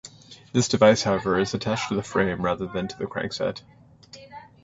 This device, however, is attached to the frame rather than to the crankset.